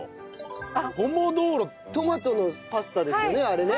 トマトのパスタですよねあれね。